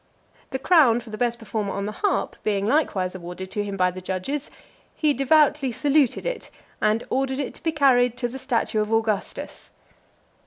The crown for the best performer on the harp, being likewise awarded to him by the judges, he devoutly saluted it, and ordered it to be carried to the statue of Augustus.